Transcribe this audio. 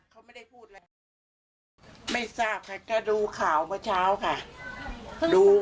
เขาไม่ได้พูดอะไรไม่ทราบค่ะถ้าดูข่าวเมื่อเช้าค่ะ